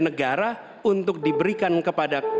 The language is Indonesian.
negara untuk diberikan kepada